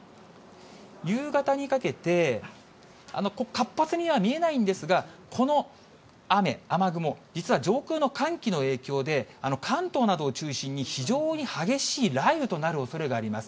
夕方にかけて、活発には見えないんですが、この雨、雨雲、実は上空の寒気の影響で、関東などを中心に非常に激しい雷雨となるおそれがあります。